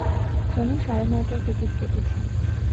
শোনো, সাড়ে নয়টার টিকেট কেটেছি।